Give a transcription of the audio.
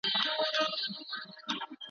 پیر بابا ,